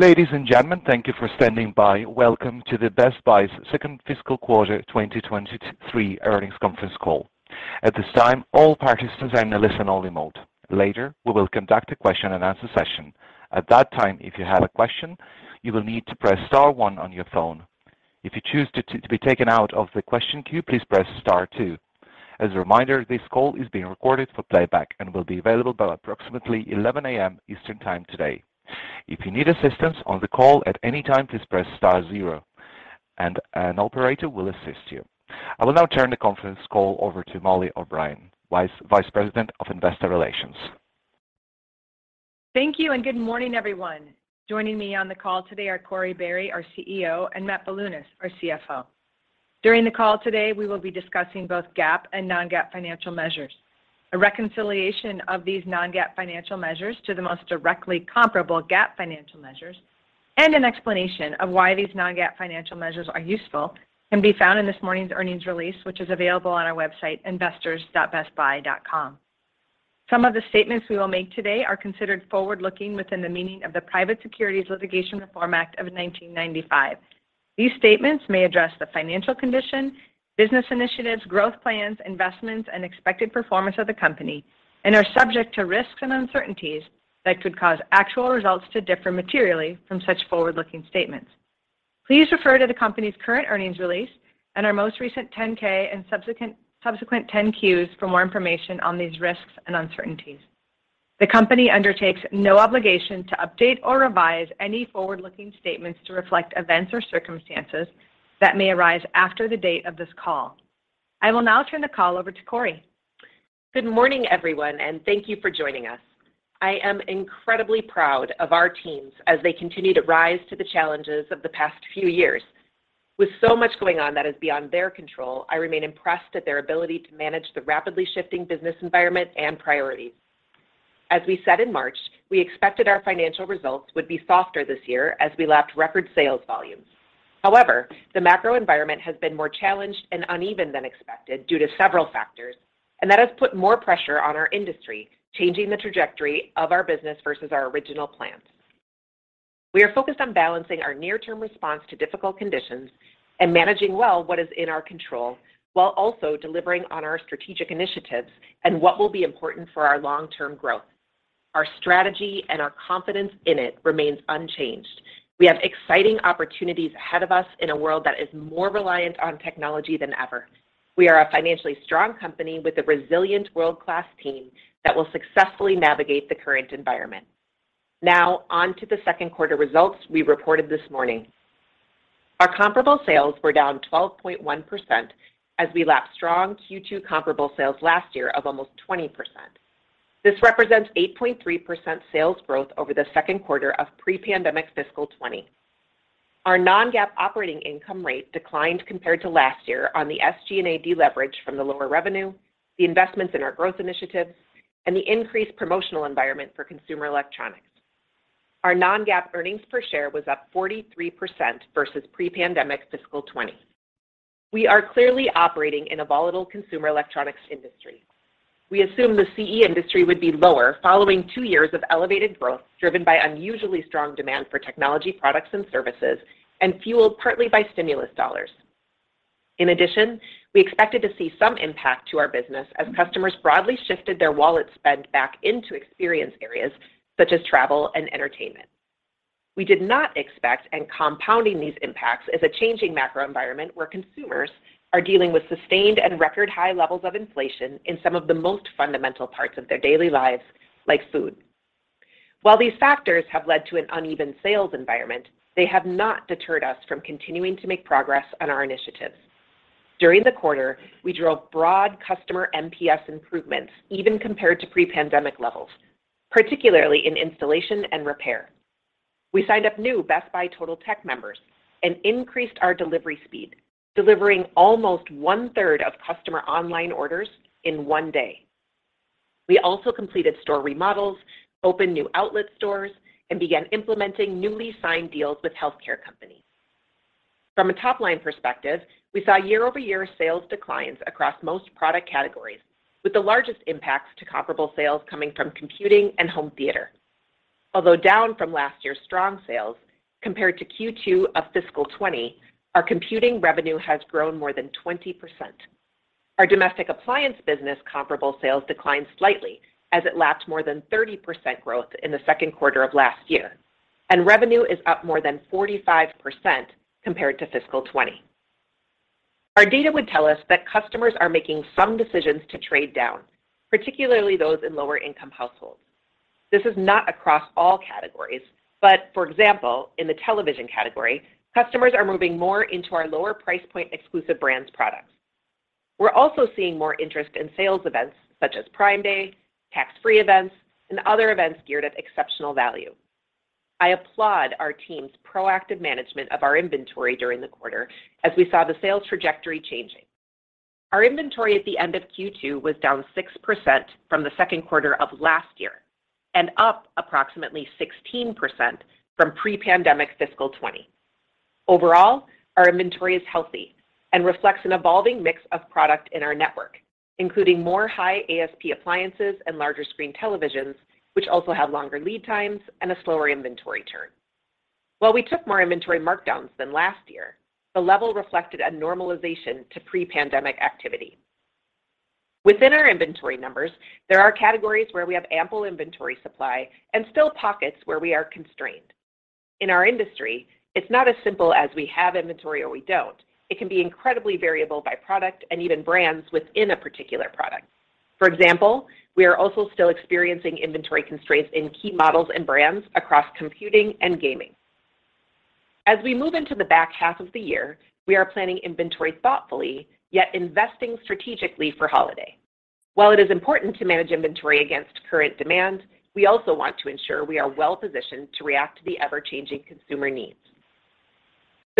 Ladies and gentlemen, thank you for standing by. Welcome to Best Buy's second fiscal quarter 2023 earnings conference call. At this time, all participants are in a listen-only mode. Later, we will conduct a question-and-answer session. At that time, if you have a question, you will need to press star one on your phone. If you choose to be taken out of the question queue, please press star two. As a reminder, this call is being recorded for playback and will be available by approximately 11 A.M. Eastern Time today. If you need assistance on the call at any time, please press star zero and an operator will assist you. I will now turn the conference call over to Mollie O'Brien, Vice President of Investor Relations. Thank you, and good morning, everyone. Joining me on the call today are Corie Barry, our CEO, and Matt Bilunas, our CFO. During the call today, we will be discussing both GAAP and non-GAAP financial measures. A reconciliation of these non-GAAP financial measures to the most directly comparable GAAP financial measures and an explanation of why these non-GAAP financial measures are useful can be found in this morning's earnings release, which is available on our website, investors.bestbuy.com. Some of the statements we will make today are considered forward-looking within the meaning of the Private Securities Litigation Reform Act of 1995. These statements may address the financial condition, business initiatives, growth plans, investments, and expected performance of the company and are subject to risks and uncertainties that could cause actual results to differ materially from such forward-looking statements. Please refer to the company's current earnings release and our most recent 10-K and subsequent 10-Qs for more information on these risks and uncertainties. The company undertakes no obligation to update or revise any forward-looking statements to reflect events or circumstances that may arise after the date of this call. I will now turn the call over to Corie. Good morning, everyone, and thank you for joining us. I am incredibly proud of our teams as they continue to rise to the challenges of the past few years. With so much going on that is beyond their control, I remain impressed at their ability to manage the rapidly shifting business environment and priorities. As we said in March, we expected our financial results would be softer this year as we lapped record sales volumes. However, the macro environment has been more challenged and uneven than expected due to several factors, and that has put more pressure on our industry, changing the trajectory of our business versus our original plans. We are focused on balancing our near-term response to difficult conditions and managing well what is in our control while also delivering on our strategic initiatives and what will be important for our long-term growth. Our strategy and our confidence in it remains unchanged. We have exciting opportunities ahead of us in a world that is more reliant on technology than ever. We are a financially strong company with a resilient world-class team that will successfully navigate the current environment. Now on to the second quarter results we reported this morning. Our comparable sales were down 12.1% as we lapped strong Q2 comparable sales last year of almost 20%. This represents 8.3% sales growth over the second quarter of pre-pandemic fiscal 2020. Our non-GAAP operating income rate declined compared to last year on the SG&A deleverage from the lower revenue, the investments in our growth initiatives, and the increased promotional environment for consumer electronics. Our non-GAAP earnings per share was up 43% versus pre-pandemic fiscal 2020. We are clearly operating in a volatile consumer electronics industry. We assume the CE industry would be lower following two years of elevated growth driven by unusually strong demand for technology products and services and fueled partly by stimulus dollars. In addition, we expected to see some impact to our business as customers broadly shifted their wallet spend back into experience areas such as travel and entertainment. We did not expect, and compounding these impacts is a changing macro environment where consumers are dealing with sustained and record high levels of inflation in some of the most fundamental parts of their daily lives, like food. While these factors have led to an uneven sales environment, they have not deterred us from continuing to make progress on our initiatives. During the quarter, we drove broad customer NPS improvements even compared to pre-pandemic levels, particularly in installation and repair. We signed up new Best Buy Totaltech members and increased our delivery speed, delivering almost 1/3 of customer online orders in one day. We also completed store remodels, opened new outlet stores, and began implementing newly signed deals with healthcare companies. From a top-line perspective, we saw year-over-year sales declines across most product categories with the largest impacts to comparable sales coming from computing and home theater. Although down from last year's strong sales, compared to Q2 of fiscal 2020, our computing revenue has grown more than 20%. Our domestic appliance business comparable sales declined slightly as it lapped more than 30% growth in the second quarter of last year, and revenue is up more than 45% compared to fiscal 2020. Our data would tell us that customers are making some decisions to trade down, particularly those in lower income households. This is not across all categories, but for example, in the television category, customers are moving more into our lower price point exclusive brands products. We're also seeing more interest in sales events such as Prime Day, tax-free events, and other events geared at exceptional value. I applaud our team's proactive management of our inventory during the quarter as we saw the sales trajectory changing. Our inventory at the end of Q2 was down 6% from the second quarter of last year and up approximately 16% from pre-pandemic fiscal 2020. Overall, our inventory is healthy and reflects an evolving mix of product in our network, including more high ASP appliances and larger screen televisions, which also have longer lead times and a slower inventory turn. While we took more inventory markdowns than last year, the level reflected a normalization to pre-pandemic activity. Within our inventory numbers, there are categories where we have ample inventory supply and still pockets where we are constrained. In our industry, it's not as simple as we have inventory or we don't. It can be incredibly variable by product and even brands within a particular product. For example, we are also still experiencing inventory constraints in key models and brands across computing and gaming. As we move into the back half of the year, we are planning inventory thoughtfully, yet investing strategically for holiday. While it is important to manage inventory against current demand, we also want to ensure we are well-positioned to react to the ever-changing consumer needs.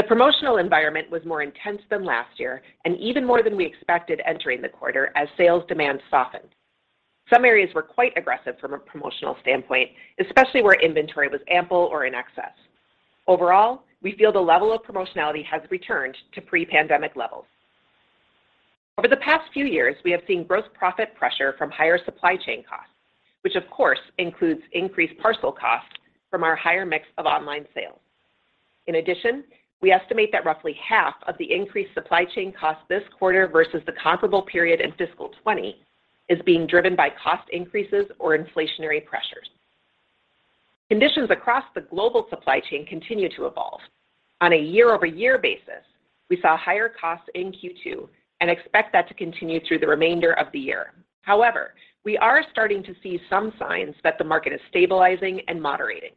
The promotional environment was more intense than last year and even more than we expected entering the quarter as sales demand softened. Some areas were quite aggressive from a promotional standpoint, especially where inventory was ample or in excess. Overall, we feel the level of promotionality has returned to pre-pandemic levels. Over the past few years, we have seen gross profit pressure from higher supply chain costs, which of course includes increased parcel costs from our higher mix of online sales. In addition, we estimate that roughly half of the increased supply chain costs this quarter versus the comparable period in fiscal 2020 is being driven by cost increases or inflationary pressures. Conditions across the global supply chain continue to evolve. On a year-over-year basis, we saw higher costs in Q2 and expect that to continue through the remainder of the year. However, we are starting to see some signs that the market is stabilizing and moderating.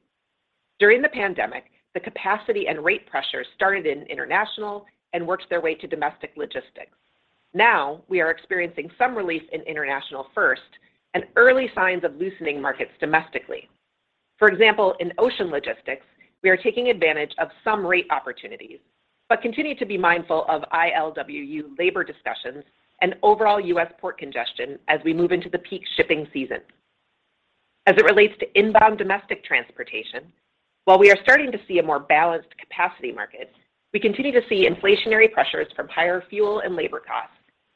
During the pandemic, the capacity and rate pressures started in international and worked their way to domestic logistics. Now we are experiencing some relief in international first and early signs of loosening markets domestically. For example, in ocean logistics, we are taking advantage of some rate opportunities, but continue to be mindful of ILWU labor discussions and overall U.S. port congestion as we move into the peak shipping season. As it relates to inbound domestic transportation, while we are starting to see a more balanced capacity market, we continue to see inflationary pressures from higher fuel and labor costs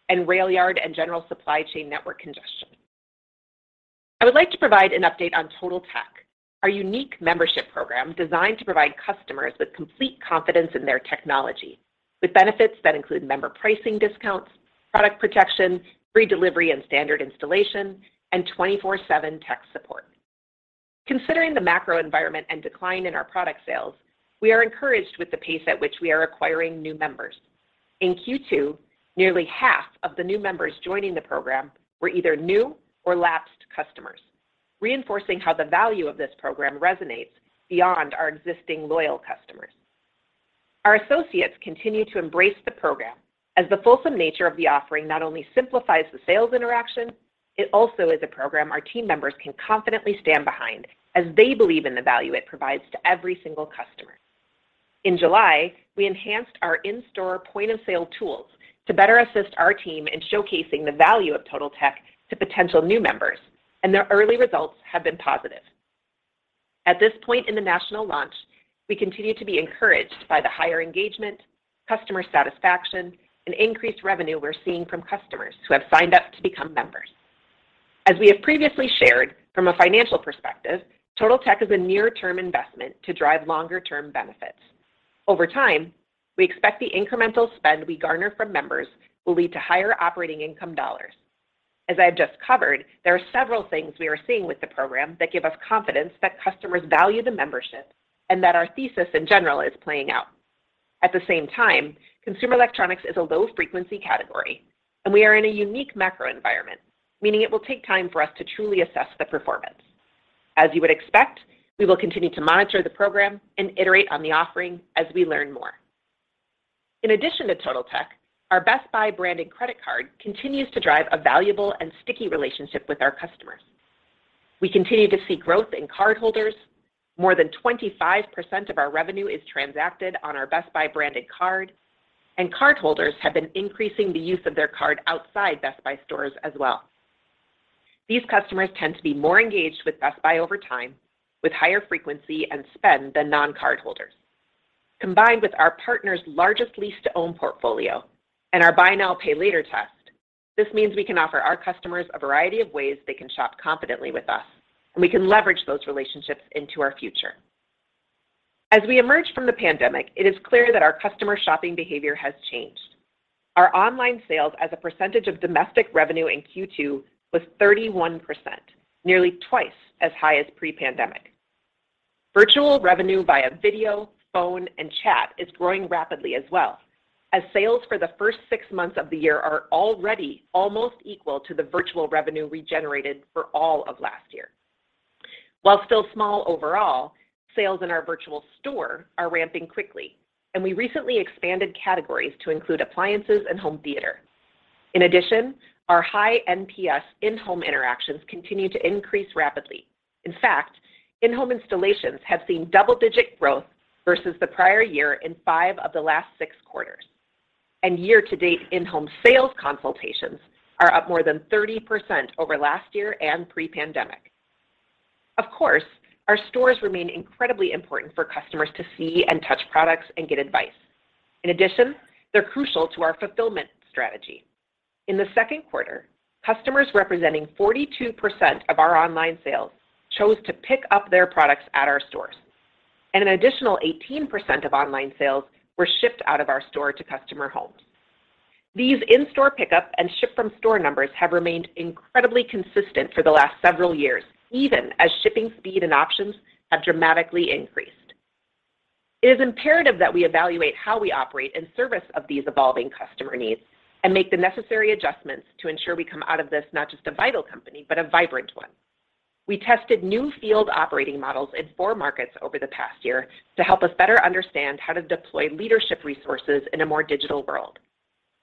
and rail yard and general supply chain network congestion. I would like to provide an update on Totaltech, our unique membership program designed to provide customers with complete confidence in their technology with benefits that include member pricing discounts, product protection, free delivery and standard installation, and 24/7 tech support. Considering the macro environment and decline in our product sales, we are encouraged with the pace at which we are acquiring new members. In Q2, nearly half of the new members joining the program were either new or lapsed customers, reinforcing how the value of this program resonates beyond our existing loyal customers. Our associates continue to embrace the program as the fulsome nature of the offering not only simplifies the sales interaction, it also is a program our team members can confidently stand behind as they believe in the value it provides to every single customer. In July, we enhanced our in-store point of sale tools to better assist our team in showcasing the value of Totaltech to potential new members, and their early results have been positive. At this point in the national launch, we continue to be encouraged by the higher engagement, customer satisfaction, and increased revenue we're seeing from customers who have signed up to become members. As we have previously shared, from a financial perspective, Totaltech is a near-term investment to drive longer-term benefits. Over time, we expect the incremental spend we garner from members will lead to higher operating income dollars. As I have just covered, there are several things we are seeing with the program that give us confidence that customers value the membership and that our thesis in general is playing out. At the same time, consumer electronics is a low-frequency category, and we are in a unique macro environment, meaning it will take time for us to truly assess the performance. As you would expect, we will continue to monitor the program and iterate on the offering as we learn more. In addition to Totaltech, our Best Buy branded credit card continues to drive a valuable and sticky relationship with our customers. We continue to see growth in cardholders. More than 25% of our revenue is transacted on our Best Buy branded card, and cardholders have been increasing the use of their card outside Best Buy stores as well. These customers tend to be more engaged with Best Buy over time, with higher frequency and spend than non-cardholders. Combined with our partner's largest lease-to-own portfolio and our buy now, pay later test, this means we can offer our customers a variety of ways they can shop confidently with us, and we can leverage those relationships into our future. As we emerge from the pandemic, it is clear that our customer shopping behavior has changed. Our online sales as a percentage of domestic revenue in Q2 was 31%, nearly twice as high as pre-pandemic. Virtual revenue via video, phone, and chat is growing rapidly as well, as sales for the first six months of the year are already almost equal to the virtual revenue we generated for all of last year. While still small overall, sales in our virtual store are ramping quickly, and we recently expanded categories to include appliances and home theater. In addition, our high NPS in-home interactions continue to increase rapidly. In fact, in-home installations have seen double-digit growth versus the prior year in five of the last six quarters. Year-to-date in-home sales consultations are up more than 30% over last year and pre-pandemic. Of course, our stores remain incredibly important for customers to see and touch products and get advice. In addition, they're crucial to our fulfillment strategy. In the second quarter, customers representing 42% of our online sales chose to pick up their products at our stores, and an additional 18% of online sales were shipped out of our store to customer homes. These in-store pickup and ship-from-store numbers have remained incredibly consistent for the last several years, even as shipping speed and options have dramatically increased. It is imperative that we evaluate how we operate in service of these evolving customer needs and make the necessary adjustments to ensure we come out of this not just a vital company, but a vibrant one. We tested new field operating models in four markets over the past year to help us better understand how to deploy leadership resources in a more digital world.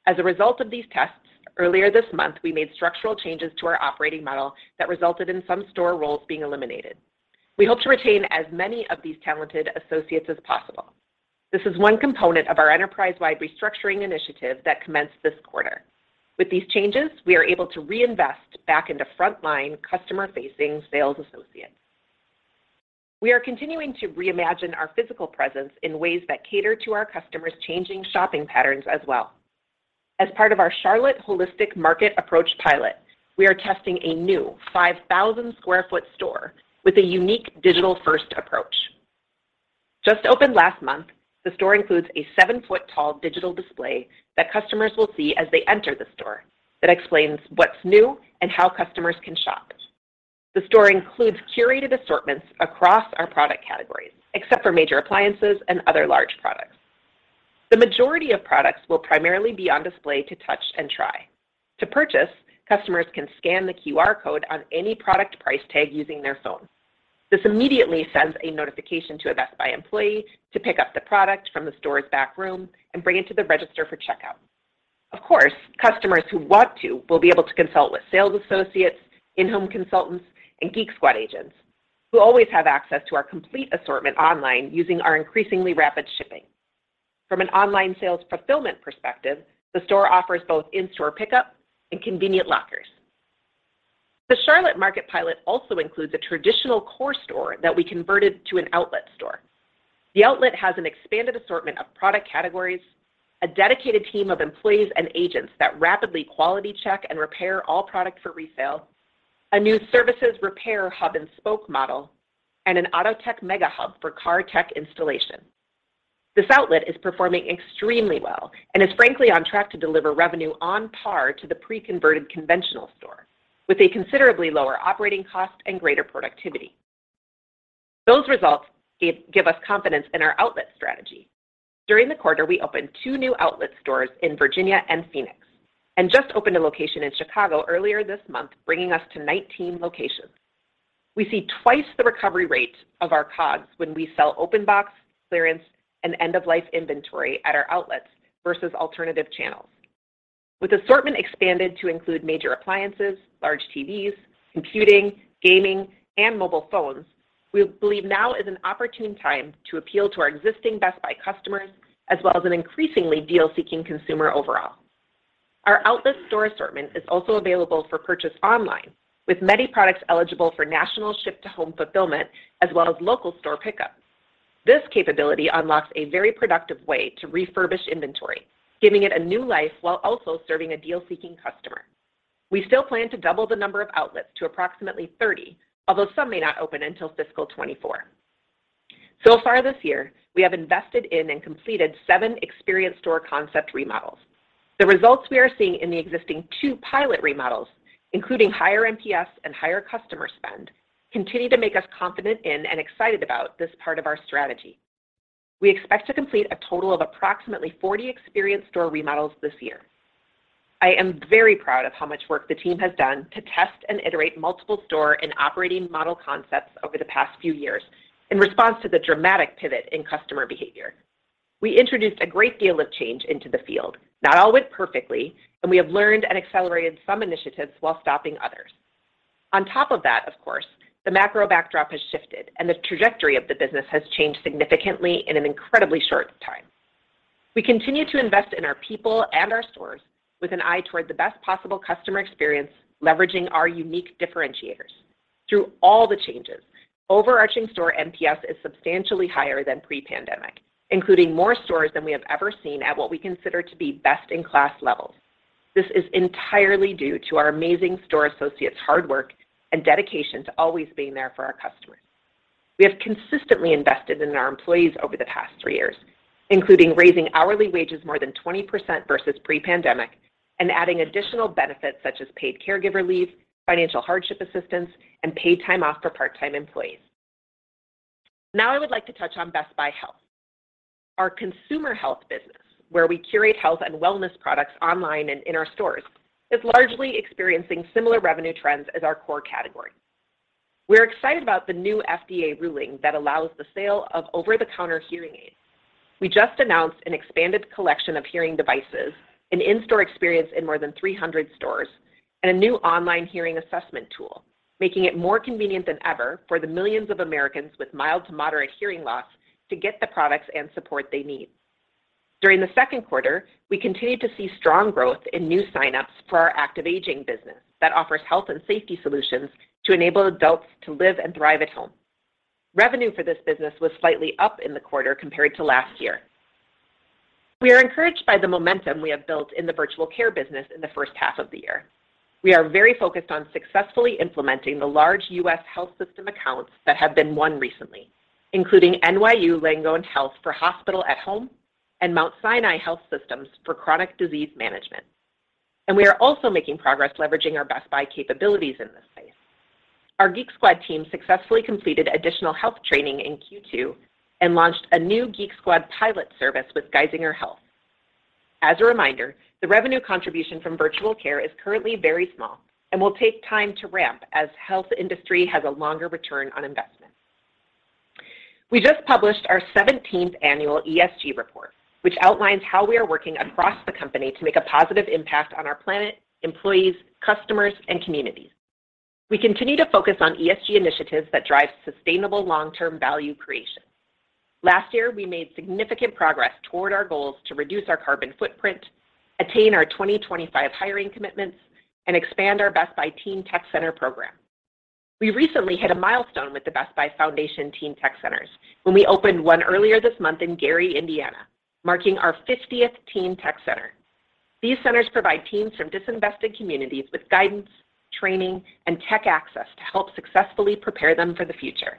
As a result of these tests, earlier this month, we made structural changes to our operating model that resulted in some store roles being eliminated. We hope to retain as many of these talented associates as possible. This is one component of our enterprise-wide restructuring initiative that commenced this quarter. With these changes, we are able to reinvest back into frontline customer-facing sales associates. We are continuing to reimagine our physical presence in ways that cater to our customers' changing shopping patterns as well. As part of our Charlotte Holistic Market Approach pilot, we are testing a new 5,000-square-foot store with a unique digital-first approach. Just opened last month, the store includes a seven-foot-tall digital display that customers will see as they enter the store that explains what's new and how customers can shop. The store includes curated assortments across our product categories, except for major appliances and other large products. The majority of products will primarily be on display to touch and try. To purchase, customers can scan the QR code on any product price tag using their phone. This immediately sends a notification to a Best Buy employee to pick up the product from the store's back room and bring it to the register for checkout. Of course, customers who want to will be able to consult with sales associates, in-home consultants, and Geek Squad agents, who always have access to our complete assortment online using our increasingly rapid shipping. From an online sales fulfillment perspective, the store offers both in-store pickup and convenient lockers. The Charlotte Market pilot also includes a traditional core store that we converted to an outlet store. The outlet has an expanded assortment of product categories, a dedicated team of employees and agents that rapidly quality check and repair all product for resale, a new services repair hub and spoke model, and an auto tech mega hub for car tech installation. This outlet is performing extremely well and is frankly on track to deliver revenue on par to the pre-converted conventional store with a considerably lower operating cost and greater productivity. Those results give us confidence in our outlet strategy. During the quarter, we opened two new outlet stores in Virginia and Phoenix, and just opened a location in Chicago earlier this month, bringing us to 19 locations. We see twice the recovery rate of our COGS when we sell open box, clearance, and end-of-life inventory at our outlets versus alternative channels. With assortment expanded to include major appliances, large TVs, computing, gaming, and mobile phones, we believe now is an opportune time to appeal to our existing Best Buy customers, as well as an increasingly deal-seeking consumer overall. Our outlet store assortment is also available for purchase online, with many products eligible for national ship-to-home fulfillment as well as local store pickup. This capability unlocks a very productive way to refurbish inventory, giving it a new life while also serving a deal-seeking customer. We still plan to double the number of outlets to approximately 30, although some may not open until fiscal 2024. So far this year, we have invested in and completed seven experience store concept remodels. The results we are seeing in the existing two pilot remodels, including higher NPS and higher customer spend, continue to make us confident in and excited about this part of our strategy. We expect to complete a total of approximately 40 experience store remodels this year. I am very proud of how much work the team has done to test and iterate multiple store and operating model concepts over the past few years in response to the dramatic pivot in customer behavior. We introduced a great deal of change into the field. Not all went perfectly, and we have learned and accelerated some initiatives while stopping others. On top of that, of course, the macro backdrop has shifted, and the trajectory of the business has changed significantly in an incredibly short time. We continue to invest in our people and our stores with an eye toward the best possible customer experience, leveraging our unique differentiators. Through all the changes, overarching store NPS is substantially higher than pre-pandemic, including more stores than we have ever seen at what we consider to be best-in-class levels. This is entirely due to our amazing store associates' hard work and dedication to always being there for our customers. We have consistently invested in our employees over the past three years, including raising hourly wages more than 20% versus pre-pandemic and adding additional benefits such as paid caregiver leave, financial hardship assistance, and paid time off for part-time employees. Now I would like to touch on Best Buy Health. Our consumer health business, where we curate health and wellness products online and in our stores, is largely experiencing similar revenue trends as our core categories. We're excited about the new FDA ruling that allows the sale of over-the-counter hearing aids. We just announced an expanded collection of hearing devices, an in-store experience in more than 300 stores, and a new online hearing assessment tool, making it more convenient than ever for the millions of Americans with mild to moderate hearing loss to get the products and support they need. During the second quarter, we continued to see strong growth in new signups for our active aging business that offers health and safety solutions to enable adults to live and thrive at home. Revenue for this business was slightly up in the quarter compared to last year. We are encouraged by the momentum we have built in the virtual care business in the first half of the year. We are very focused on successfully implementing the large U.S. health system accounts that have been won recently, including NYU Langone Health for Hospital at Home and Mount Sinai Health System for chronic disease management. We are also making progress leveraging our Best Buy capabilities in this space. Our Geek Squad team successfully completed additional health training in Q2 and launched a new Geek Squad pilot service with Geisinger Health. As a reminder, the revenue contribution from virtual care is currently very small and will take time to ramp as health industry has a longer return on investment. We just published our seventeenth annual ESG report, which outlines how we are working across the company to make a positive impact on our planet, employees, customers, and communities. We continue to focus on ESG initiatives that drive sustainable long-term value creation. Last year, we made significant progress toward our goals to reduce our carbon footprint, attain our 2025 hiring commitments, and expand our Best Buy Teen Tech Center program. We recently hit a milestone with the Best Buy Foundation Teen Tech Centers when we opened one earlier this month in Gary, Indiana, marking our 50th Teen Tech Center. These centers provide teens from disinvested communities with guidance, training, and tech access to help successfully prepare them for the future.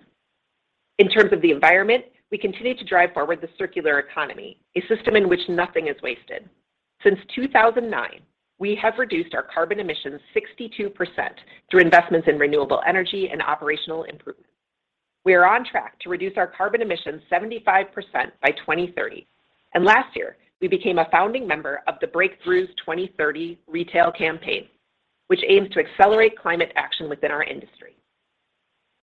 In terms of the environment, we continue to drive forward the circular economy, a system in which nothing is wasted. Since 2009, we have reduced our carbon emissions 62% through investments in renewable energy and operational improvements. We are on track to reduce our carbon emissions 75% by 2030, and last year, we became a founding member of the Breakthroughs 2030 retail campaign, which aims to accelerate climate action within our industry.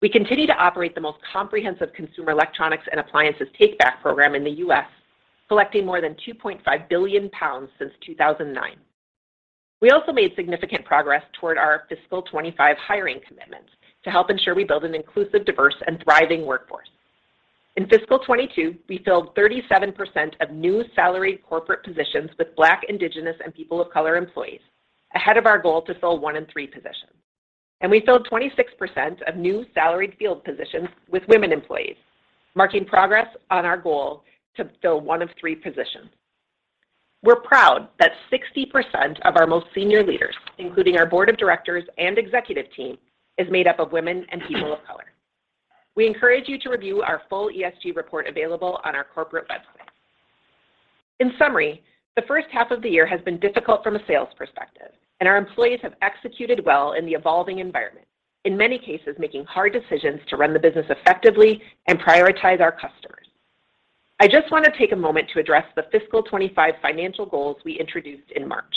We continue to operate the most comprehensive consumer electronics and appliances take-back program in the U.S., collecting more than 2.5 billion pounds since 2009. We also made significant progress toward our fiscal 2025 hiring commitments to help ensure we build an inclusive, diverse and thriving workforce. In fiscal 2022, we filled 37% of new salaried corporate positions with Black, Indigenous, and people of color employees, ahead of our goal to fill one in three positions. We filled 26% of new salaried field positions with women employees, marking progress on our goal to fill one in three positions. We're proud that 60% of our most senior leaders, including our board of directors and executive team, is made up of women and people of color. We encourage you to review our full ESG report available on our corporate website. In summary, the first half of the year has been difficult from a sales perspective, and our employees have executed well in the evolving environment, in many cases, making hard decisions to run the business effectively and prioritize our customers. I just want to take a moment to address the fiscal 25 financial goals we introduced in March.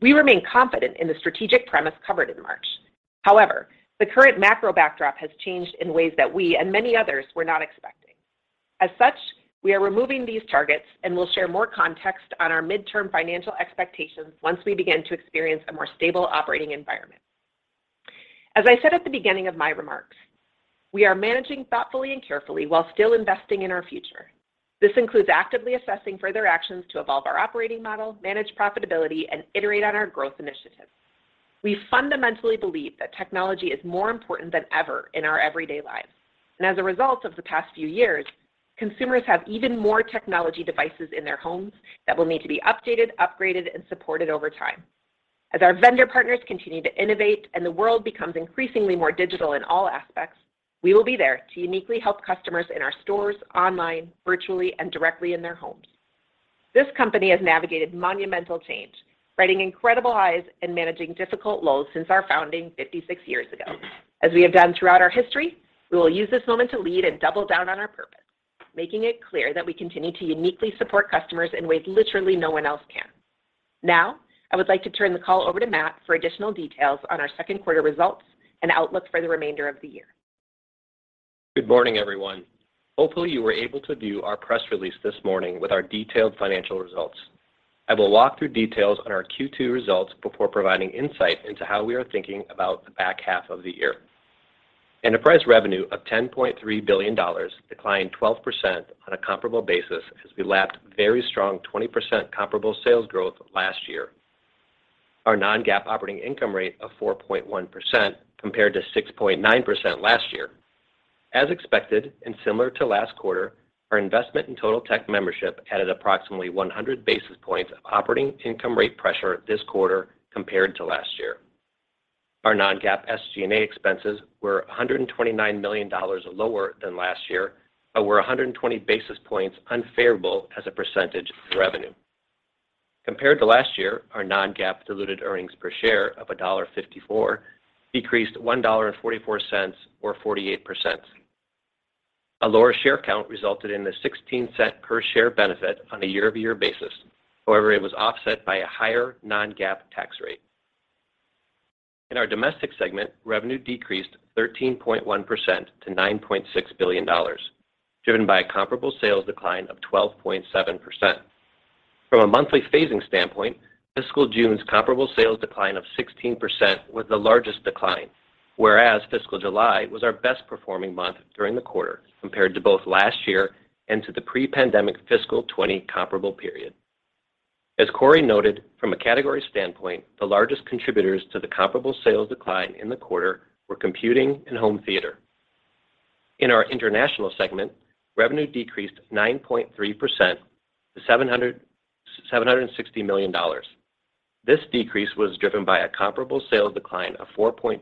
We remain confident in the strategic premise covered in March. However, the current macro backdrop has changed in ways that we and many others were not expecting. As such, we are removing these targets and will share more context on our midterm financial expectations once we begin to experience a more stable operating environment. As I said at the beginning of my remarks, we are managing thoughtfully and carefully while still investing in our future. This includes actively assessing further actions to evolve our operating model, manage profitability, and iterate on our growth initiatives. We fundamentally believe that technology is more important than ever in our everyday lives, and as a result of the past few years, consumers have even more technology devices in their homes that will need to be updated, upgraded, and supported over time. As our vendor partners continue to innovate and the world becomes increasingly more digital in all aspects, we will be there to uniquely help customers in our stores, online, virtually, and directly in their homes. This company has navigated monumental change, riding incredible highs and managing difficult lows since our founding 56 years ago. As we have done throughout our history, we will use this moment to lead and double down on our purpose, making it clear that we continue to uniquely support customers in ways literally no one else can. Now, I would like to turn the call over to Matt for additional details on our second quarter results and outlook for the remainder of the year. Good morning, everyone. Hopefully, you were able to view our press release this morning with our detailed financial results. I will walk through details on our Q2 results before providing insight into how we are thinking about the back half of the year. Enterprise revenue of $10.3 billion declined 12% on a comparable basis as we lapped very strong 20% comparable sales growth last year. Our non-GAAP operating income rate of 4.1% compared to 6.9% last year. As expected and similar to last quarter, our investment in Totaltech membership added approximately 100 basis points of operating income rate pressure this quarter compared to last year. Our non-GAAP SG&A expenses were $129 million lower than last year, but were 120 basis points unfavorable as a percentage of revenue. Compared to last year, our non-GAAP diluted earnings per share of $1.54 decreased $1.44 or 48%. A lower share count resulted in a $0.16 per share benefit on a year-over-year basis. However, it was offset by a higher non-GAAP tax rate. In our domestic segment, revenue decreased 13.1% to $9.6 billion, driven by a comparable sales decline of 12.7%. From a monthly phasing standpoint, fiscal June's comparable sales decline of 16% was the largest decline, whereas fiscal July was our best-performing month during the quarter compared to both last year and to the pre-pandemic fiscal 2020 comparable period. As Corie noted, from a category standpoint, the largest contributors to the comparable sales decline in the quarter were computing and home theater. In our international segment, revenue decreased 9.3% to $760 million. This decrease was driven by a comparable sales decline of 4.2%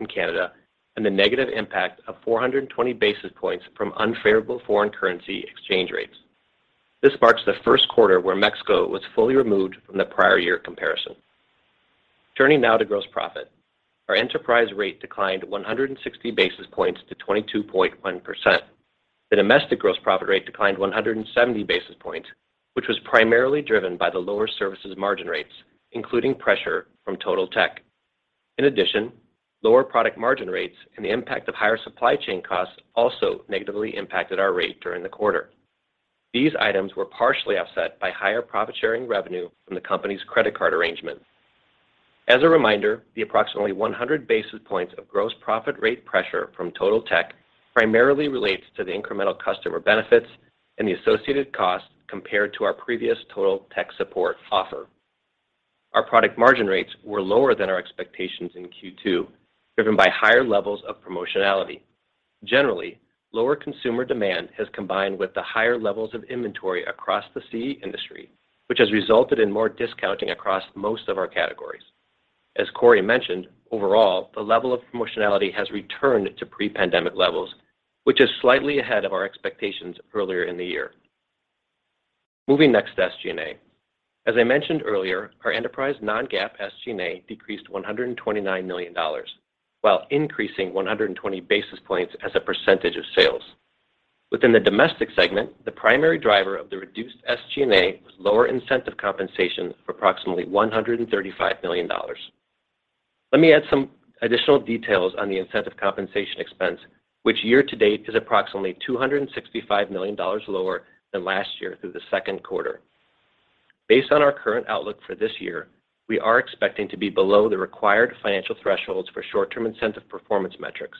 in Canada and the negative impact of 420 basis points from unfavorable foreign currency exchange rates. This marks the first quarter where Mexico was fully removed from the prior year comparison. Turning now to gross profit. Our enterprise rate declined 160 basis points to 22.1%. The domestic gross profit rate declined 170 basis points, which was primarily driven by the lower services margin rates, including pressure from Totaltech. In addition, lower product margin rates and the impact of higher supply chain costs also negatively impacted our rate during the quarter. These items were partially offset by higher profit-sharing revenue from the company's credit card arrangement. As a reminder, the approximately 100 basis points of gross profit rate pressure from Totaltech primarily relates to the incremental customer benefits and the associated costs compared to our previous Totaltech support offer. Our product margin rates were lower than our expectations in Q2, driven by higher levels of promotionality. Generally, lower consumer demand has combined with the higher levels of inventory across the CE industry, which has resulted in more discounting across most of our categories. As Corie mentioned, overall, the level of promotionality has returned to pre-pandemic levels, which is slightly ahead of our expectations earlier in the year. Moving next to SG&A. As I mentioned earlier, our enterprise non-GAAP SG&A decreased $129 million while increasing 120 basis points as a percentage of sales. Within the domestic segment, the primary driver of the reduced SG&A was lower incentive compensation of approximately $135 million. Let me add some additional details on the incentive compensation expense, which year-to-date is approximately $265 million lower than last year through the second quarter. Based on our current outlook for this year, we are expecting to be below the required financial thresholds for short-term incentive performance metrics.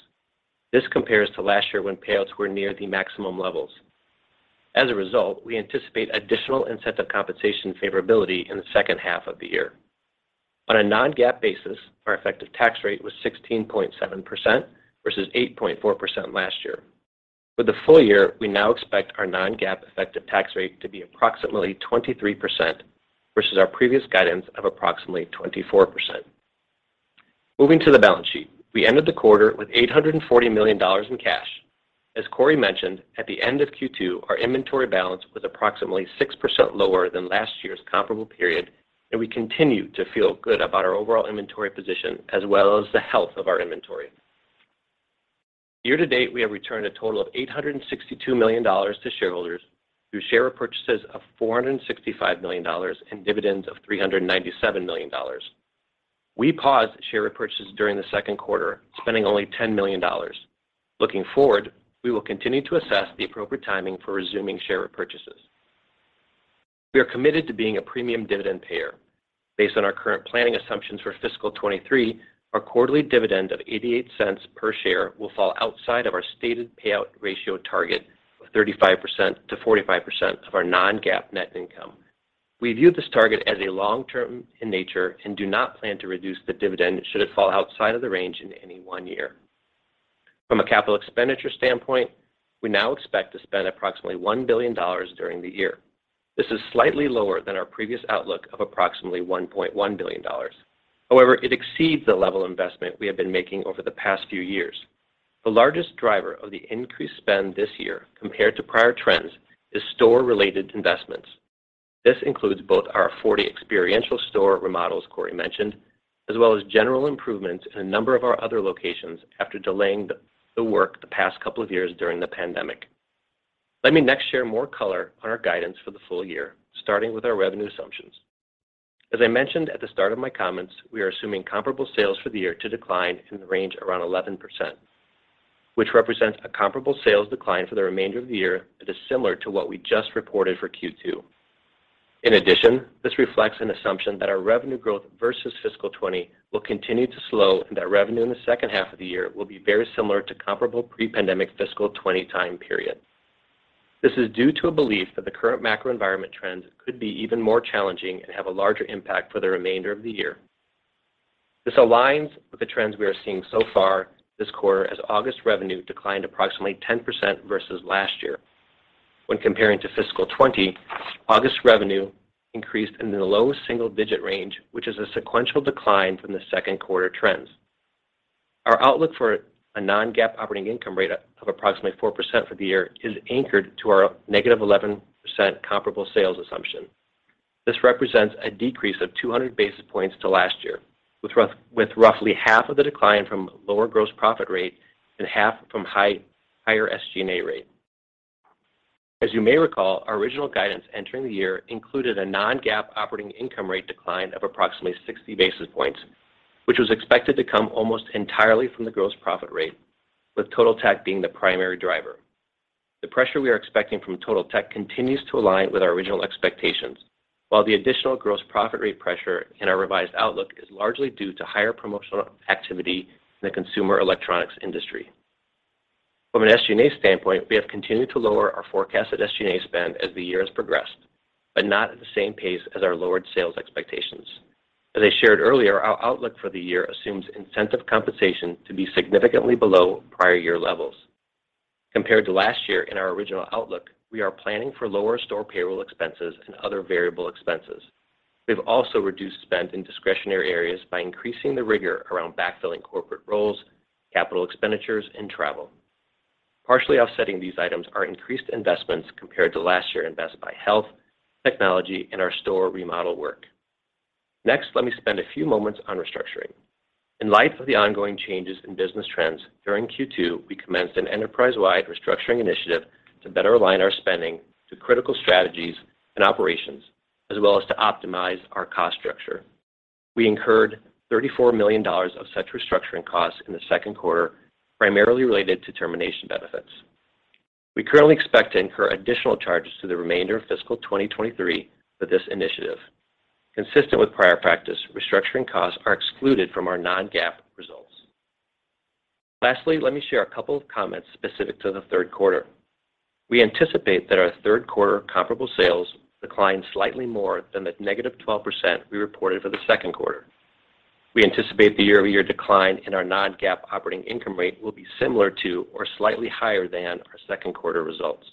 This compares to last year when payouts were near the maximum levels. As a result, we anticipate additional incentive compensation favorability in the second half of the year. On a non-GAAP basis, our effective tax rate was 16.7% versus 8.4% last year. For the full year, we now expect our non-GAAP effective tax rate to be approximately 23% versus our previous guidance of approximately 24%. Moving to the balance sheet. We ended the quarter with $840 million in cash. As Corie mentioned, at the end of Q2, our inventory balance was approximately 6% lower than last year's comparable period, and we continue to feel good about our overall inventory position as well as the health of our inventory. Year-to-date, we have returned a total of $862 million to shareholders through share repurchases of $465 million and dividends of $397 million. We paused share repurchases during the second quarter, spending only $10 million. Looking forward, we will continue to assess the appropriate timing for resuming share repurchases. We are committed to being a premium dividend payer. Based on our current planning assumptions for fiscal 2023, our quarterly dividend of $0.88 per share will fall outside of our stated payout ratio target of 35%-45% of our non-GAAP net income. We view this target as long-term in nature and do not plan to reduce the dividend should it fall outside of the range in any one year. From a capital expenditure standpoint, we now expect to spend approximately $1 billion during the year. This is slightly lower than our previous outlook of approximately $1.1 billion. However, it exceeds the level of investment we have been making over the past few years. The largest driver of the increased spend this year compared to prior trends is store-related investments. This includes both our 40 experiential store remodels Corie mentioned, as well as general improvements in a number of our other locations after delaying the work the past couple of years during the pandemic. Let me next share more color on our guidance for the full year, starting with our revenue assumptions. As I mentioned at the start of my comments, we are assuming comparable sales for the year to decline in the range around 11%, which represents a comparable sales decline for the remainder of the year that is similar to what we just reported for Q2. In addition, this reflects an assumption that our revenue growth versus fiscal 2020 will continue to slow, and that revenue in the second half of the year will be very similar to comparable pre-pandemic fiscal 2020 time period. This is due to a belief that the current macro environment trends could be even more challenging and have a larger impact for the remainder of the year. This aligns with the trends we are seeing so far this quarter as August revenue declined approximately 10% versus last year. When comparing to fiscal 2020, August revenue increased in the low single-digit range, which is a sequential decline from the second quarter trends. Our outlook for a non-GAAP operating income rate of approximately 4% for the year is anchored to our -11% comparable sales assumption. This represents a decrease of 200 basis points to last year, with roughly half of the decline from lower gross profit rate and half from higher SG&A rate. As you may recall, our original guidance entering the year included a non-GAAP operating income rate decline of approximately 60 basis points, which was expected to come almost entirely from the gross profit rate, with Totaltech being the primary driver. The pressure we are expecting from Totaltech continues to align with our original expectations. While the additional gross profit rate pressure in our revised outlook is largely due to higher promotional activity in the consumer electronics industry. From an SG&A standpoint, we have continued to lower our forecasted SG&A spend as the year has progressed, but not at the same pace as our lowered sales expectations. As I shared earlier, our outlook for the year assumes incentive compensation to be significantly below prior year levels. Compared to last year in our original outlook, we are planning for lower store payroll expenses and other variable expenses. We've also reduced spend in discretionary areas by increasing the rigor around backfilling corporate roles, capital expenditures, and travel. Partially offsetting these items are increased investments compared to last year in Best Buy Health, technology, and our store remodel work. Next, let me spend a few moments on restructuring. In light of the ongoing changes in business trends, during Q2, we commenced an enterprise-wide restructuring initiative to better align our spending to critical strategies and operations, as well as to optimize our cost structure. We incurred $34 million of such restructuring costs in the second quarter, primarily related to termination benefits. We currently expect to incur additional charges through the remainder of fiscal 2023 for this initiative. Consistent with prior practice, restructuring costs are excluded from our non-GAAP results. Lastly, let me share a couple of comments specific to the third quarter. We anticipate that our third quarter comparable sales declined slightly more than the -12% we reported for the second quarter. We anticipate the year-over-year decline in our non-GAAP operating income rate will be similar to or slightly higher than our second quarter results.